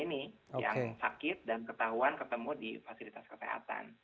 ini yang sakit dan ketahuan ketemu di fasilitas kesehatan